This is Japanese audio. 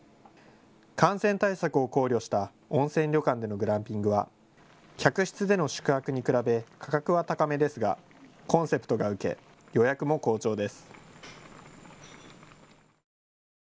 感染対策を考慮した温泉旅館でのグランピングは客室での宿泊に比べ、価格は高めですがコンセプトが受け、予約も好調です。